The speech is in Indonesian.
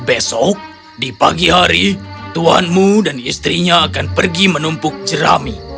besok di pagi hari tuanmu dan istrinya akan pergi menumpuk jerami